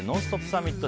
サミット。